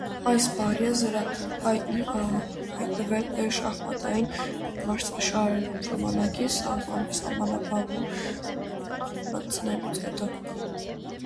Այս բառեզրը հայտնվել է շախմատային մրցաշարերում ժամանակի սահմանափակում մտցնելուց հետո։